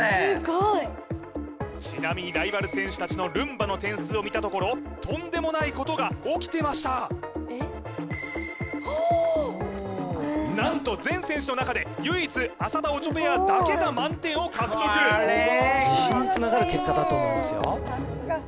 ちなみにライバル選手達のルンバの点数を見たところとんでもないことが起きてました何と全選手の中で唯一浅田・オチョペアだけが満点を獲得自信につながる結果だと思いますよ